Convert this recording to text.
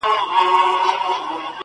زور د زورور پاچا، ماته پر سجده پرېووت.